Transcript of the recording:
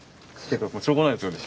しょうがないですよね